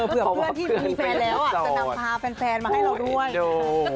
เพื่อนที่มีแฟนแล้วจะนำพาแฟนมาให้เราด้วย